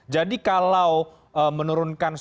jadi kalau menurunkan